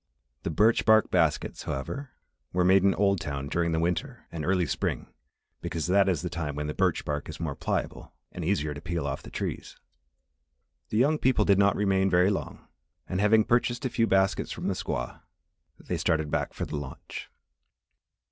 The birch bark baskets, however, were made in Oldtown during the winter and early spring because that is the time when birch bark is more pliable and is easier to peel off of the trees. The young people did not remain very long, and having purchased a few baskets from the squaw, they started back for the launch.